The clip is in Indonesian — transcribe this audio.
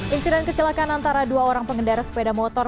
insiden kecelakaan antara dua orang pengendara sepeda motor